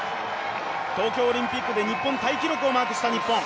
東京オリンピックで日本タイ記録をマークした日本。